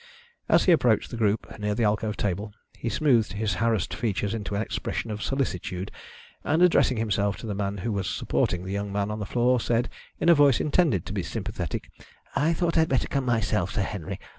As he approached the group near the alcove table he smoothed his harassed features into an expression of solicitude, and, addressing himself to the man who was supporting the young man on the floor, said, in a voice intended to be sympathetic, "I thought I had better come myself, Sir Henry.